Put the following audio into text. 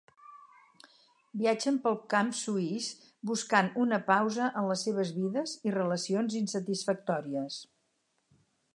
Viatgen pel camp suís, buscant una pausa en les seves vides i relacions insatisfactòries.